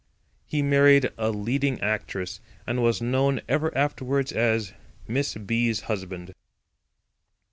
He married a leading actress, and was known ever afterwards as "Miss B—'s husband."